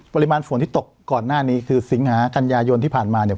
ปริมาณฝนที่ตกก่อนหน้านี้คือสิงหากัญญายนที่ผ่านมาเนี่ย